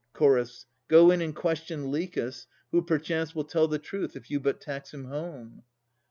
CH. Go in and question Lichas, who perchance Will tell the truth if you but tax him home.